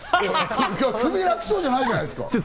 首が楽そうじゃないじゃないですか！